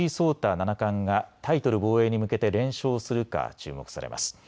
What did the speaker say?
七冠がタイトル防衛に向けて連勝するか注目されます。